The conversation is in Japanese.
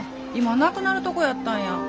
今なくなるとこやったんや。